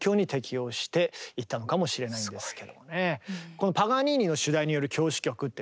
この「パガニーニの主題による狂詩曲」ってね